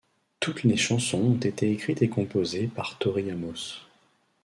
Toutes les chansons ont été écrites et composées, par Tori Amos.